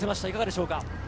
いかがでしょうか。